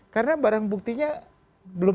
karena barang buktinya belum